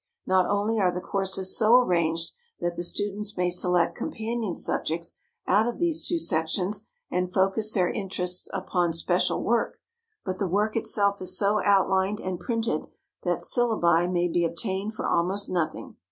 Not only are the courses so arranged that the students may select companion subjects out of these two sections and focus their interests upon special work, but the work itself is so outlined and printed that syllabi may be obtained for almost nothing.